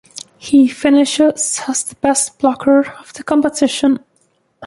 He finishes as the best blocker of the competition.